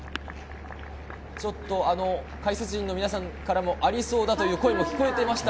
解説陣の皆さんからもありそうだという声も聞こえていました。